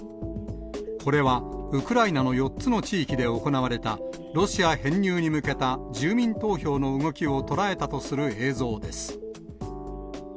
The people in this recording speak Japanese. これはウクライナの４つの地域で行われた、ロシア編入に向けた住民投票の動きを捉えたとする映像です。